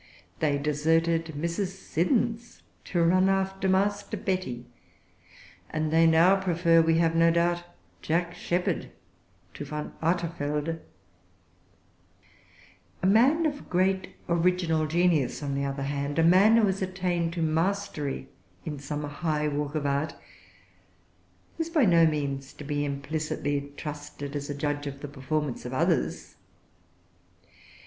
They deserted Mrs. Siddons to run after Master Betty; and they now prefer, we have no doubt, Jack Sheppard to Von Artevelde. A man of great original genius, on the other hand, a man who has attained to mastery in some high walk of art, is by no means to be implicitly trusted as a judge of the performances of others.